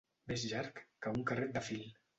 Més llarg que un carret de fil.